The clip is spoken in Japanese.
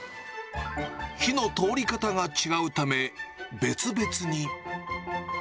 火の通り方が違うため、別々に。